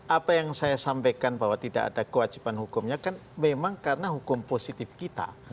apa yang saya sampaikan bahwa tidak ada kewajiban hukumnya kan memang karena hukum positif kita